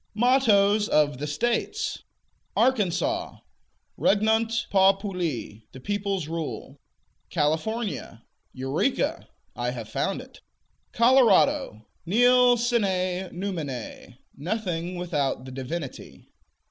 MOTTOES OF THE STATES. Arkansas Regnant populi: The peoples rule. California Eureka: I have found it. Colorado Nil sine numine: Nothing without the Divinity.